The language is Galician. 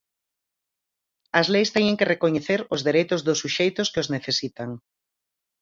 As leis teñen que recoñecer os dereitos dos suxeitos que os necesitan.